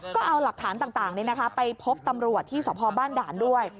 ก็เอาหลักฐานต่างไปพบตำรวจที่สพบ้านด่านด้วย